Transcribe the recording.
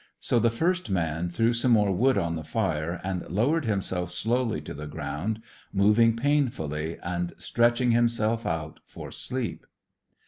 So the first man threw some more wood on the fire, and lowered himself slowly to the ground, moving painfully, and stretching himself out for sleep.